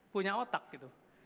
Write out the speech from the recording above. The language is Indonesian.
punya otak gitu